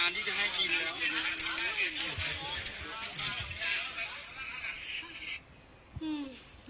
แต่แม่ฝากคิดอีกรอบ